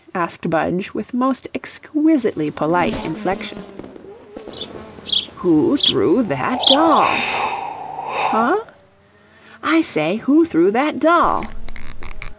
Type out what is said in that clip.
asked Budge, with most exquisitely polite inflection. "Who threw that doll?" "Huh?" "I say, who threw that doll?"